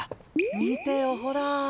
見てよほら。